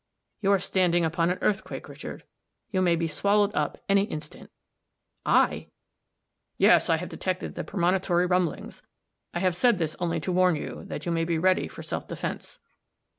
You are standing upon an earthquake, Richard you may be swallowed up any instant." "I?" "Yes. I have detected the premonitory rumblings. I have said this only to warn you, that you may be ready for self defense."